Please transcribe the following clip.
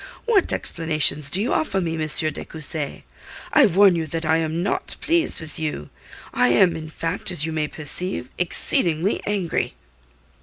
What explanations do you offer me, M. de Cussy? I warn you that I am not pleased with you. I am, in fact, as you may perceive, exceedingly angry."